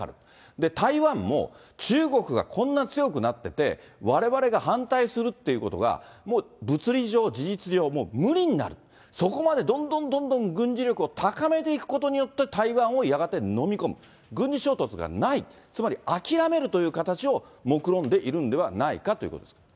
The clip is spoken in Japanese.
で、台湾も中国がこんな強くなってて、われわれが反対するっていうことが、もう物理上、事実上、もう無理な、そこまでどんどんどんどん軍事力を高めていくことによって、台湾をやがて飲み込む、軍事衝突がない、つまり諦めるという形をもくろんでいるんではないかということですか。